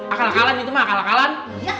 akal akalan gitu mah akal akalan